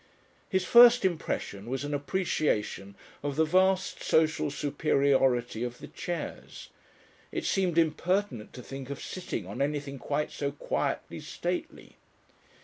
His first impression was an appreciation of the vast social superiority of the chairs; it seemed impertinent to think of sitting on anything quite so quietly stately.